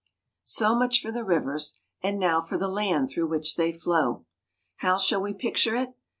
So much for the rivers; and now for the land through which they flow. How shall we picture it?